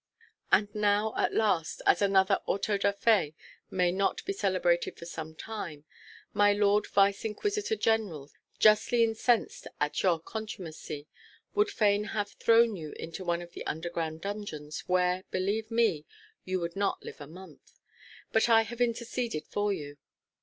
And now at last, as another Auto da fé may not be celebrated for some time, my Lord Vice Inquisitor General, justly incensed at your contumacy, would fain have thrown you into one of the underground dungeons, where, believe me, you would not live a month. But I have interceded for you."